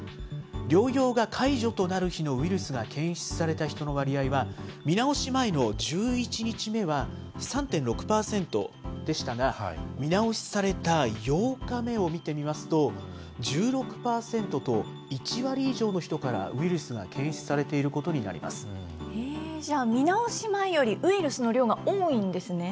療養が解除となる日のウイルスが検出された人の割合は、見直し前の１１日目は３．６％でしたが、見直しされた８日目を見てみますと、１６％と、１割以上の人からウイルスが検出されていることになりじゃあ、見直し前よりウイルスの量が多いんですね。